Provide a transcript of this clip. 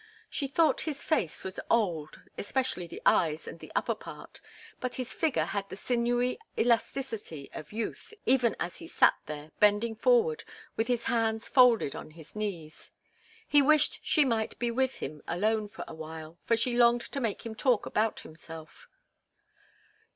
She thought his face was old, especially the eyes and the upper part, but his figure had the sinewy elasticity of youth even as he sat there, bending forward, with his hands folded on his knees. She wished she might be with him alone for a while, for she longed to make him talk about himself.